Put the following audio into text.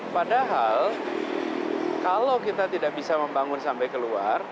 padahal kalau kita tidak bisa membangun sampai keluar